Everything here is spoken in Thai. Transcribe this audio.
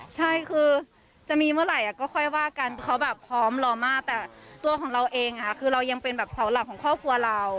ใช่คือจะมีเมื่อไหร่ก็ค่อยว่ากันเขาแบบพร้อมรอมากแต่ตัวของเราเองคือเรายังเป็นแบบเสาหลักของครอบครัวเรา